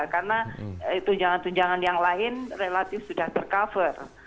karena tunjangan tunjangan yang lain relatif sudah tercover